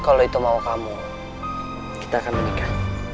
kalau itu mau kamu kita akan menikah